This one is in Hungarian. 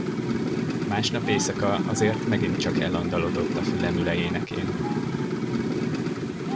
Másnap éjszaka azért megint csak elandalodott a fülemüle énekén.